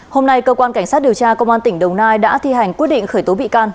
hôm nay cơ quan cảnh sát điều tra công an tỉnh đồng nai đã thi hành quyết định khởi tố bị can